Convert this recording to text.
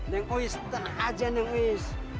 neng uis tenang aja neng uis